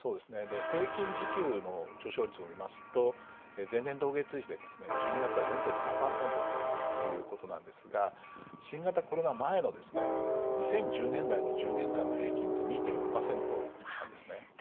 平均自給の上昇率を見ますと前年同月比で１２月は４．７％ということなんですが新型コロナ前の２０１０年代の１０年間の平均って２．４％だったんですね。